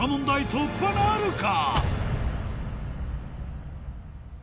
突破なるか？